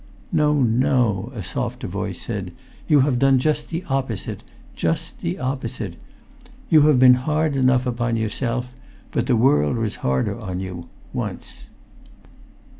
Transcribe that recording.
"No, no," a softer voice said; "you have done just the opposite—just the opposite. You have been hard enough upon yourself; but the world was harder on you—once."